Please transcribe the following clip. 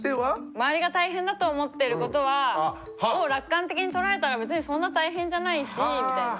周りが大変だと思ってることを楽観的に捉えたら別にそんな大変じゃないしみたいな。